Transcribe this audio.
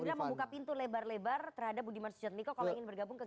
geridra membuka pintu lebar lebar terhadap budiman sujat miko kalau ingin bergabung